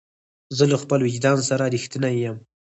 زه له خپل وجدان سره رښتینی یم.